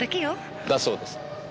だそうです。